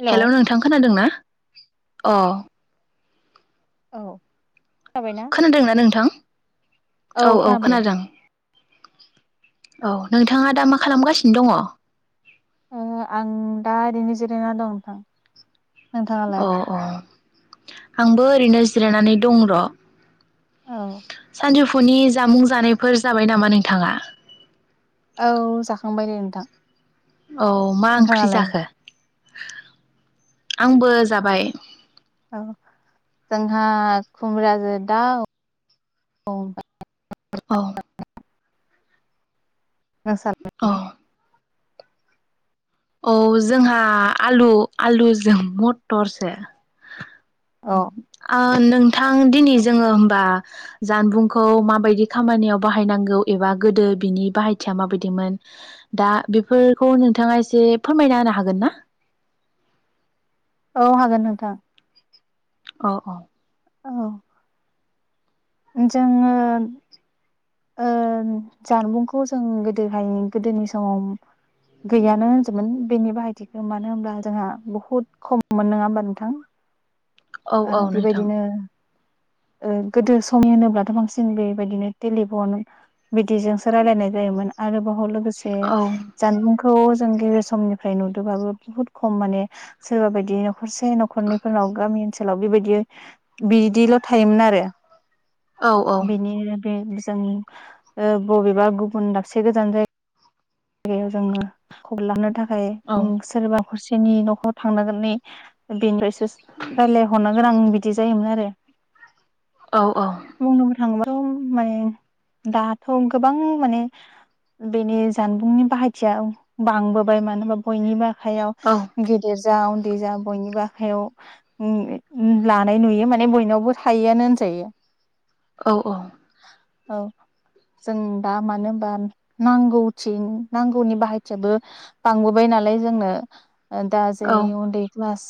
Hello hello नोंथां खोनादों ना? अ औ जाबायना? खोनादोंना नोंथां? औ औ खोनादों। औ नोंथाङा दा मा खालामगासिनो दङ? ओ आं दा ओरैनो जिरायना दं नोंथां। नोंथाङालाय? अ अ आंबो ओरैनो जिरायनानै दं र'। औ सानजौफुनि जामुं जानायफोर जाबाय नामा नोंथाङा? औ जाखांबाय दे नोंथां। औ मा ओंख्रि नोंथाङालाय? जाखो? आंबो जाबाय? औ जोंहा खुमब्राजो दाउ। औ। औ [unintelligible] औ जोंहा आलु आलुजों मटरसो। आ नोंथां दिनै जोङो होमबा जानबुंखौ माबायदि खामानियाव बाहायनांगौ एबा गोदो बिनि बाहायथिया माबायदिमोन दा बेफोरखौ नोंथाङा से फोरमायना होनो हागोन ना? औ हागोन नोंथां। अ अ। औ। जोङो ओ जानबुंखौ जों गोदोहाय गोदोनि समाव गैयानो होनजोमोन बेनि बाहाय मानो होमब्ला जोंहा बुहुद खम मोन नङा होमबा नोंथां? औ ओ औ नोंथां बेबायदिनो ओ गोदो स समनि होनोब्लाथ' बांसिन बेबायदिनो टेलिफन बिदिजोंसो रायलायनाय जायोमोन आरो लोगोसे औ जानबुंखौ जों गेजेर समनिफ्राय नुदोबाबो बुहुत खम माने सोरबा बायदि न'खरसे न'खरनैफोरनाव गामि ओनसोलाव बेबायदि बिदिल' थायोमोन आरो। औ बिनि बे जों ओ बबेबा गुबुन दाबसे गोजान जाय गायाव जोङो खबर लानो थाख खाय औ उम सोरबा हरसेनि न'खराव थांनांगोन नै बेनोफ्राय रायलायहरनो गोनां बिदि जायोमोन आरो। [inaudible] औ औ। थांबाथ माने दाथ गोबां माने बेनि। जानबुंनि बाहायथिया बांबोबाय मानोबा बयनिबो। हायाव औ गेदेर। जा उन्दै जा बयनिबो आखायाव ओ लानाय नुयो माने बयनावबो थायोआनो होनजायो। औ औ। औ जों दा मानो होनबा नांगौ। खाथि नांगौनि बाहायथियाबो बांबोबाय नालाय जोंनो। दा औ जै उन्दै क्लास।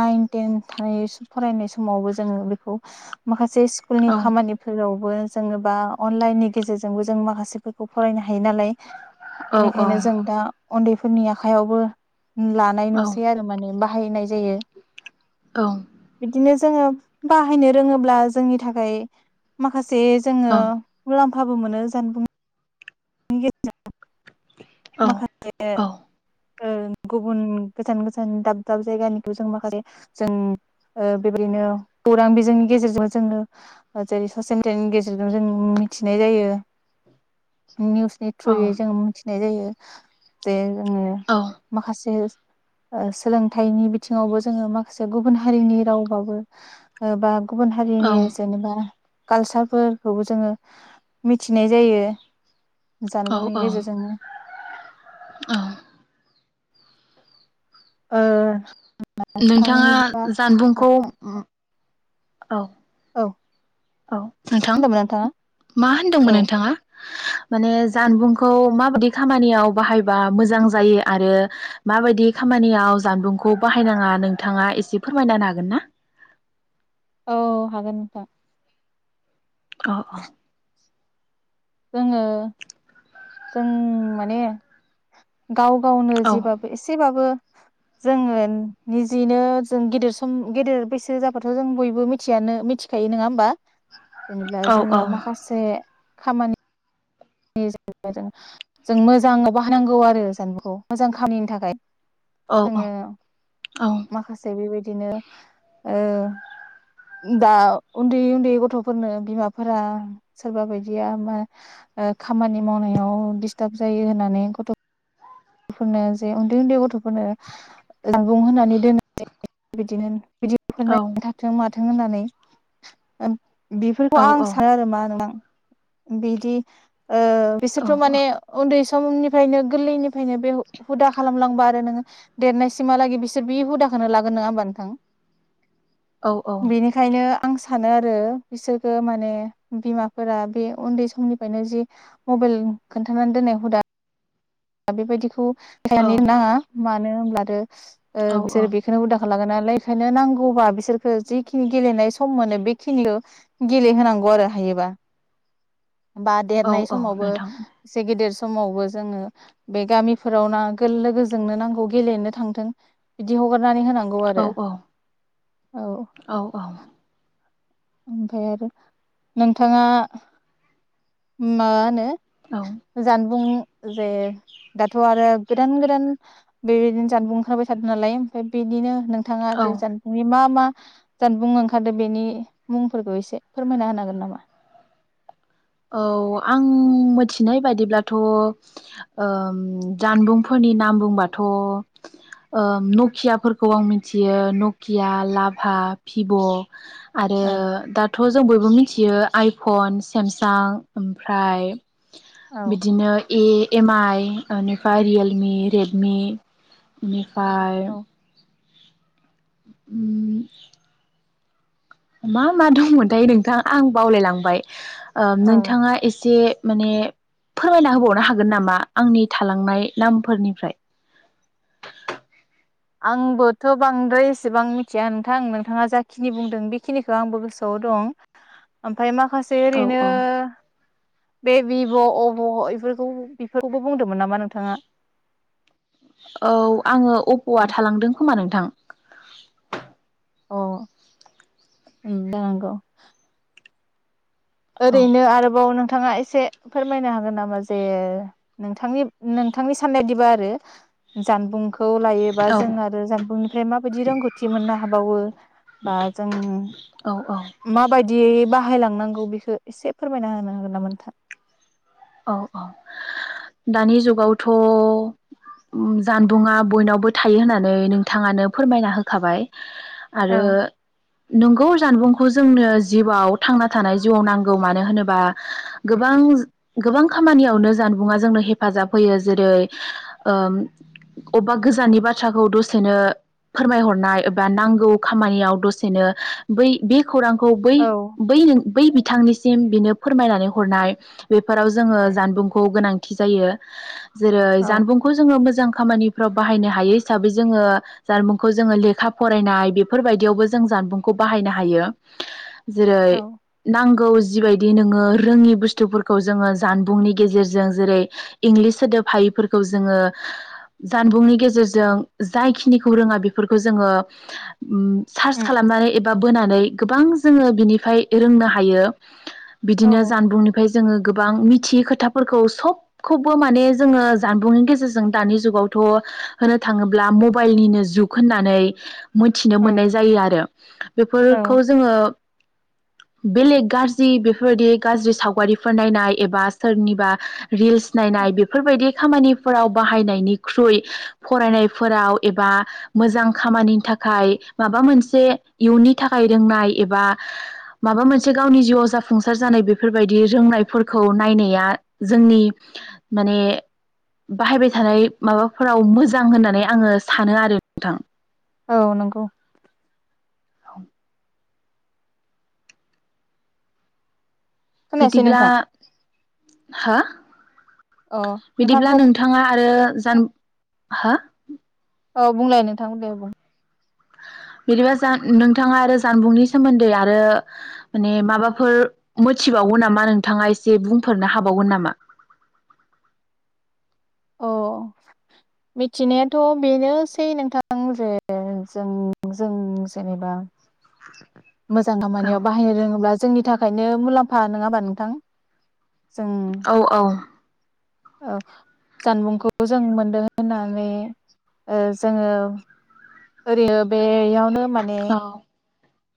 नाइन टेन थाय फरायनाय समावबो जोङो बेखौ माखासे। जे स्कुलनि औ खामानिफोरावबो। जोङोबा अनलाइननि गेजेरजोंबो जों माखासेफोरखौ फरायनो हायो नालाय औ औ बेनिखायनो जों दा उन्दैफोरनि आखयावबो औ [inaudible] हायनाय [unintelligible] बिदिनो जोङो बाहायनो रोङोब्ला जोंनि थाखाय माखासे जे जोङो मुलामफा खाबु मोनो जानबुं [unintelligible] माखासे ओ गुबुन गोजान गोजान दाब दाब जायगानिखौ जों माखासे जों ओ बेबायदिनो खौरां बिजोंनि गेजेरजों जोङो जेरै ससियेल मिडियानि गेजेरजों जों मिथिनाय जायो निउसनि थ्रुयै जों मोनथिनाय जायो बे जोङो माखासे ओ सोलोंथाइनि बिथिङावबो जोङो माखासे गुबुन हारिनि रावबाबो बा गुबुन हारिनि जेनेबा कालचारफोरखौबो जोङो मिथिनाय जायो जानबुंनि गेजेरजोंनो ओ नोंथाङा नोंथांनि जानबुंखौ औ औ औ नोंथां होनदोंमोन नोंथाङा मा औ होनदोंमोन नोंथाङा माने जानबुंखौ माबायदि खामानियाव बाहायबा मोजां जायो आरो माबायदि खामानियाव जानबुंखौ बाहायनाङा नोंथाङा एसे फोरमायना हागोन ना औ हागोन नोंथां अ अ जोङो जों माने गाव गावनो औ जेबाबो एसेबाबो जोङो निजेनो जों गेदेर सम गेदेर बैसो जाबथ' जों बयबो मिथियानो मिथिखायो नङा होमबा। जेनेबा औ जोङो माखासे खामानि नि जों मोजाङाव बाहानांगौ आरो जानबुंखौ मोजां खामानिनि थाखाय औ जोङो औ माखासे बेबायदि बिदिनो ओ दा उन्दै उन्दै गथ'फोरनो बिमाफोरा सोरबा बायदिया मा ओ खामानि मावनायाव दिडिस्टार्ब जायो होननानै गथ' फोरनो जे उन्दै उन्दै गथ'फोर फोरनो जामबुंहानै दोन बिदिनो भिदिअफोर औ नायनानै थाथों माथ थों होननानै औ बेफोरखौ आं सानो आरो मा नोंथां बिदि ओ बिसोरथ' माने उन्दै सम समनिफ्रायनो गोरलैनि फ्रायायनो बे हुदा खालामलांबा आरो नोङो देरनायसिमहालागै बिसोर बे हुदाखौनो लागोन नङा होमबा नोंथां? बेनिखायनो आं सानो आरो बिसोरखो माने बिमाफोरा बे उन्दै समनिफ्रायनो जि मबाइल खोन्थानानै दोननाय हुदा दा बेबायदिखौ [unintelligible] मानो होनोमब्ला [unintelligible] ओ औ औ बिसोर बेखौनो हुदा लागायनानै ओंखायनो नांगौबा बिसोरखो जिखिनि गेलेनाय सम मोनो बेखिनियाव गेलेहोनांगौ आरो हायोबा बा औ देरनाय औ समावबो नोंथां एसे गेदेर समावबो जोङो बे गामिफोराव ना लोगोजोंनो नांगौ गेलेनो थांथों बिदि हगार नानै होनांगौ औ आरो। औ औ औ औ ओमफ्राय आरो नोंथाङा माहोनो औ जानबुं जे दाथ' आरो गोदान गोदान बेबायदिनो जानबुं ओंखारबाय थादों नालाय ओमफ्राय बिदिनो नोंथाङा जे जानबुंनि मा मा जानबुं ओंखारदो बेनि मुंफोरखौ एसे फोरमायना होनागोन नामा औ आं मिथिनाय बायदिब्लाथ' जानबुंफोरनि नाम बुंबाथ' न'कियाफोरखौ आं मिथियो नकिया लाभा भिभ' आरो औ दाथ' जों बयबो मि मिथियो आइफन सेमसां आं ओमफ्राय औ बिदिनो ए [unintelligible] एम आइ बेनिफ्राय रियेलमि रेडमि फाय औ उम मा मा दंमोनथाय नोंथां आं बावलायलांबाय। ओ औ नोंथाङा एसे माने फोरमायना होबावनो हागोन नामा आंनि थालांनाय नामफोरनिफ्राय आंबोथ' बांद्राय एसेबां मिथिया नोंथां नोंथाङा जाखिनि बुंदों बेखिनिखौ आंबो गोसोआव दं‌ ओम फ्राय माखासे औ ओरैनो औ बे भिभ, ' अभ' इफोरखौ बेफोरखौबो बुंदोंमोन नामा नोंथाङा? औ आङो अप'आ थालांदों खोमा नोंथां अ उम जानांगौ। औ ओरैनो आरोबाव नोंथाङा एस से फोरमायनो हागोन नामा जे नोंथांनि नोंथांनि साननायदिबा आरो जानबुंखौ लायोबा औ जों आरो जानबुंनिफ्राय माबायदि रोंगौथि मोननो हाबावो बा जों औ औ माबायदियै बा बाहायलांनांगौ बेखौ एसे फोरमायना होनो हागोन ना नोंथां? औ दानि जुगावथ' जानबुंङा बयनावबो थायो होननानै नोंथाङानो फोरमायना होखाबाय। औ आरो नोंगौ जानबुंखौ जोंनो जिउआव थांना थानाय जिउआव नांगौ मानो होनोबा गोबां गोबां खामानियावनो जानबुंङा जोंनो हेफाजाब होयो जेरै ओ अबा गोजाननि बाथ्राखौ दसेनो फोरमायहरनाय एबा नांगौ खामानियाव दसेनो बै बे खौरांखौ बै औ बै बै बि बिथांनिसिम बिनो फोरमायनानै हरनाय बेफोराव जोङो जानबुंखौ गोनांथि जायो। जेरै औ जानबुंखौ जोङो मोजां खामानिफ्राव बाहायनो हायो हिसाबै जोङो जानबुंखौ जोङो लेखा फरायनाय बेफोरबायदियावबो जों जानबुंखौ बाहायनो हायो। जेरै नांगौ जिबायदि नोङो रोङि बुस्थुफोर खौ जोङो जानबुंनि गेजेरजों जेरै इंलिस सोदोब हायैफोरखौ जोङो जानबुंनि गेजेरजों जायखिनिखौ रोङा बेफोरखौ जोङो ओम सार्च उम खालामनानै एबा बोनानै गोबां जोङो बिनिफ्राय रोंनो हायो औ बिदिनो जानबुंनिफ्राय जोङो गोबां मिथियै खोथाफोरखौ सबखौबो माने जोङो जानबुंनि गेजेरजों दानि जुगावथ' होनो थाङोब्ला मबाइलनिनो जुग होननानै मोनथिनो उम मोननाय जायो आरो बेफोरखौ औ जोङो बेलेग गाज्रि बेफोरबायदि गाज्रि सावगारि फोर नायनाय एबा सोरनिबा रिल्स नायनाय बेफोरबायदि खामानि फोराव बाहायनायनिख्रुइ फरायनायफोराव एबा मोजां खामानिनि थाखाय माबा मोनसे इयुननि थाखाय रोंनाय एबा माबा मोनसे गावनि जिउआव जाफुंसार जानाय बेफोरबायदि रोंनायफोरखौ नायनाया जोंनि माने बाहायबाय थानाय माबाफोराव मोजां होननानै आङो सानो आरो नोंथां। औ नंगौ [inaudible] खोनायासै बिदिब्ला नोंथां हो अ बिदिब्ला नोंथांखौ नोंथांङा आरो जान हा औ बुंलाय नोंथां दे बुं। बिदिबा जा नोंथाङा आरो जानबुंनि सोमोन्दै आरो माने माबाफोर मोनथिबावगोन नामा नोंथाङा एसे बुंफोरनो हाबावगोन नामा? अ मिथिनायाथ बेनोसै नोंथां जे जों जों जेनेबा मोजां खामानियाव बाहायनो रोंङोब्ला जोंनि थाखायनो मुलाम्फा नंङाबा नोंथां? औ औ‌। ओ जानबुंखौ जों मोनदों होननानै ओ जोंङो ओरैनो बे बेयावनो माने औ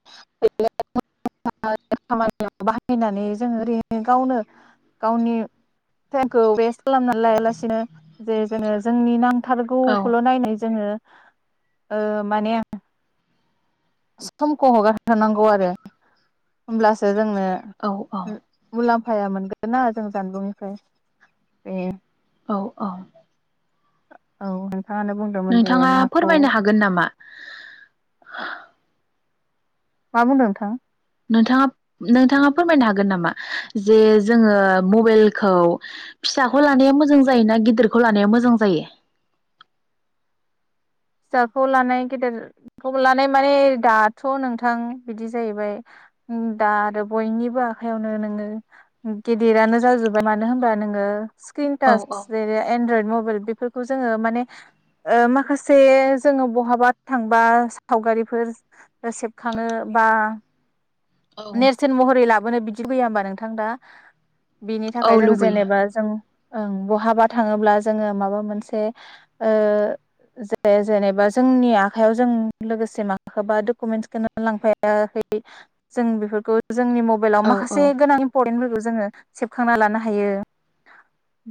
[unintelligible] बाहायनानै जों ओरैनो गावनो गावनि टाइमखौ वेस्ट खालामनानै लायालासिनो जे जोंङो जोंनि नां औ थारगौखौल नायनो जोंङो ओ माने समखौ हगारहोनांगौ आरो होमब्लासो जोंनो औ औ मुलाम्फ फाया मोनगोन ना जों जानबुंनिफ्राय बे औ औ। औ। नोंथाङानो बुंदोंमोन दे नोंथाङा फोरमायनो हागोन नामा? आ मा बुंदों नोंथां? नोंथाङा नोंथाङा फोरमायनो हागोन नामा जे जोंङो मबाइलखौ फिसाखौ लानाया मोजां जायो ना गिदिरखौ लानाया मोजां जायो? फिसाखौ लानाय गेदेरखौ लानाय माने दाथ नोंथां बिदि जाहैबाय दा आरो बयनिबो आखाइयावनो नोङो गेदिरानो जाजोबबाय मानो होनबा नोंङो सक्र्रिन औ टाच औ एन्ड्रइड मबाइ फोर बेफोरखौ जोंङो माने ओ माखासे से जोंङो बहाबा थांबा सावगारिफोर सेबखांङो बा औ नेरसोन महरै ला। बेबनो बिदि फैया होमबा नोंथां दा। बिनि थाखाय औ जों लुबैयो जेनेबा जों। ओं बहाबा थांङोब्ला जोंङो माबा मोनसे ओ ज जेनेबा जोंनि आखायाव जों लोगोसे माखौबा डकुमेन्टसखौनो लांफायाखै। जों बेफोरखौ। जोंनि मबाइलाव औ औ माखासे गोनां इम्परन्टेबो। जोंङो सेबखांना लानो हायो।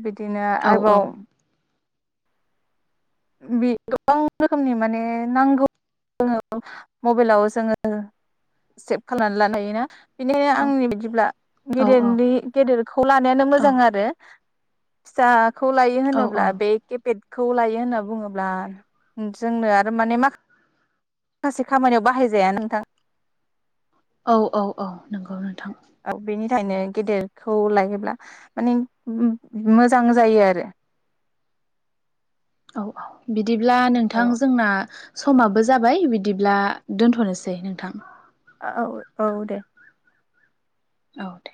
बिदिनो औ औ आरोबाव। बे गोबां रोखोमनि माने नांगौ जोंङो मबाइलाव जोंङो सेभ खालामनानै लानो हायोना। बेनिखायनो औ आंनि बायदिब्ला औ गेदेर गेदेरखौ लानायानो मोजां औ आरो। सा। खौ लायो होनोब्ला बे किपेट खौ लायो होनो बुङोब्ला जोंनो आरो माने मा खासे खामानियाव बाहायजायाना नोंथां। औ औ औ नंगौ नों औ बेनि खायनो गेदेरखौ लायोब्ला माने मोजां जायो आरो औ औ बि बिदिब्ला नोंथां औ जोंना समाबो जाबाय बिदिब्ला दोनथ'नोसै नोंथां ओ-औ औ दे औ दे